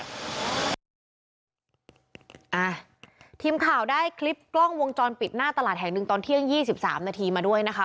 อ่าทีมข่าวได้คลิปกล้องวงจรปิดหน้าตลาดแห่งหนึ่งตอนเที่ยง๒๓นาทีมาด้วยนะคะ